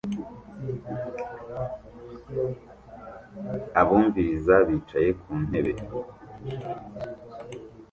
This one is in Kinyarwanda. Abumviriza bicaye ku ntebe